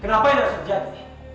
kenapa ini harus terjadi